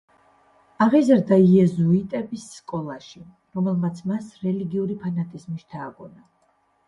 აღიზარდა იეზუიტების სკოლაში, რომელმაც მას რელიგიური ფანატიზმი შთააგონა.